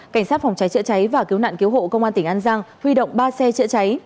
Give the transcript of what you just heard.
cảnh sát phòng cháy chữa cháy và cứu nạn cứu hộ công an tỉnh an giang huy động ba xe chữa cháy